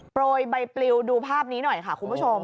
โรยใบปลิวดูภาพนี้หน่อยค่ะคุณผู้ชม